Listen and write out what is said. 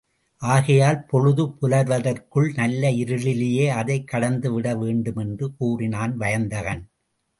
ஆகையால் பொழுது புலர்வதற்குள் நல்ல இருளிலேயே அதைக் கடந்துவிட வேண்டுமென்று கூறினான் வயந்தகன்.